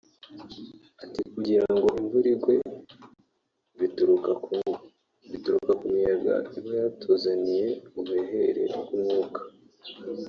Ati “Kugira ngo imvura igwe bituruka ku miyaga iba yatuzaniye ubuhehere bw’umwuka